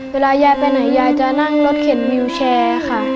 เวลายายไปไหนยายจะนั่งรถเข็นวิวแชร์ค่ะ